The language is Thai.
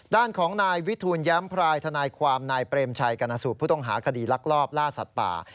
ด้านของนายวิทูลแย้มพรายทนายความนายเปรมชัยกรณสูตรผู้ต้องหาคดีลักลอบล่าสัตว์ป่า